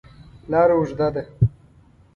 لاره اوږده ده.